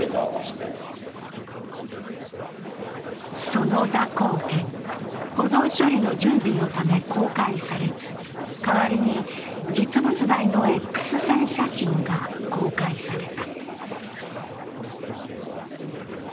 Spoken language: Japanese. その蛇行剣、保存処理の準備のため公開されず、代わりに実物大のＸ線写真が公開された。